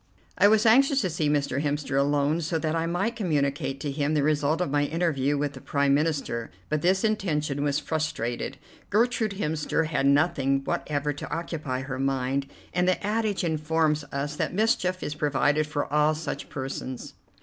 I was anxious to see Mr. Hemster alone, so that I might communicate to him the result of my interview with the Prime Minister, but this intention was frustrated. Gertrude Hemster had nothing whatever to occupy her mind, and the adage informs us that mischief is provided for all such persons.